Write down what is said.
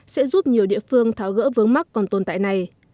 sẽ giúp nhiều địa phương tháo gỡ vướng mắt còn tồn tại này